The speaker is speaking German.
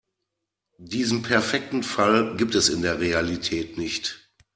Diesen perfekten Fall gibt es in der Realität nicht.